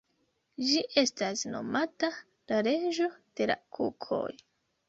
Ĝi estas nomata la „reĝo de la kukoj“.